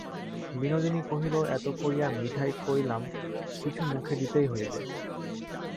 বিনোদিনী কহিল, এত করিয়া মিঠাই করিলাম, কিছু মুখে দিতেই হইবে।